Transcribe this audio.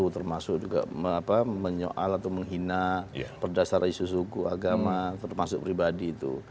termasuk juga menyoal atau menghina berdasar isu suku agama termasuk pribadi itu